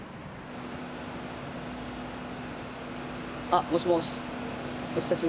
あっもしもし？